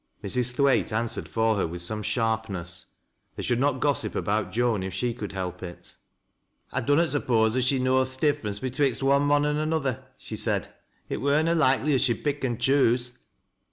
Mrs. Thwaite answered for her with some sharpness. They should not gossip about Joan, if she could help it. " I dunnot suppose as she knowd th' difference betwixt one mon an' another," she said. " It wur na loikely as she'd pick and choose.